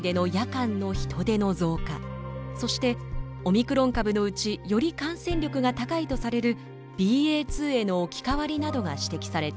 そしてオミクロン株のうちより感染力が高いとされるＢＡ．２への置き換わりなどが指摘されています。